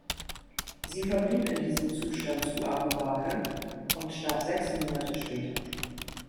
Sie verblieb in diesem Zustand zu Abū Bakr und starb sechs Monate später.